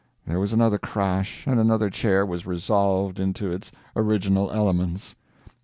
There was another crash, and another chair was resolved into its original elements.